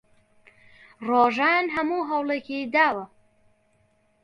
ڕۆژان هەموو هەوڵێکی داوە.